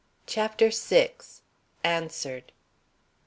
CHAPTER VI. ANSWERED.